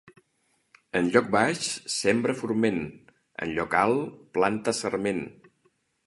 En lloc baix sembra forment, en lloc alt, planta sarment.